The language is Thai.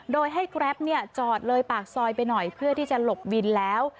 โดยให้แกรปจอดเลยปากซอยไปหน่อยเพื่อที่จะหลบวินแล้ว